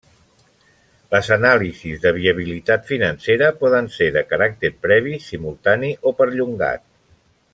Les anàlisis de viabilitat financera poden ser de caràcter previ, simultani o perllongat.